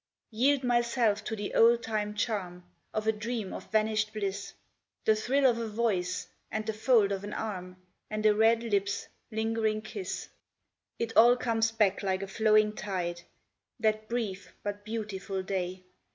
Yield myself to the old time charm Of a dream of vanished bliss, The thrill of a voice, and the fold of an arm, And a red lip's lingering kiss. It all comes back like a flowing tide; That brief, but beautiful day.